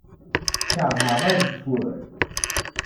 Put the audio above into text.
Kerheɣ ageffur.